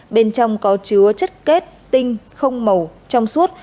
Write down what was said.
bên trong có chứa chất kết tinh không màu trong suốt